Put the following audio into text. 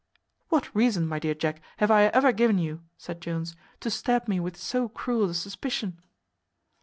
"What reason, my dear Jack, have I ever given you," said Jones, "to stab me with so cruel a suspicion?"